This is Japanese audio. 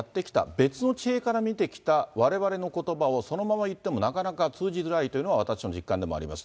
別の地平から見てきたわれわれのことばを、そのまま言ってもなかなか通じづらいというのは私の実感でもあります。